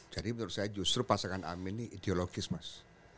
jadi menurut saya justru pasangan amin ini ideologis mas